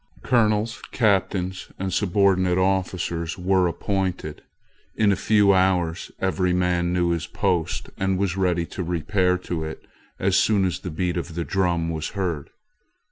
Colonels, captains, and subordinate officers were appointed. In a few hours every man knew his post, and was ready to repair to it as soon as the beat of the drum was heard.